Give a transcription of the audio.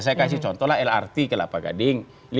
saya kasih contoh lah lrt ke lapagading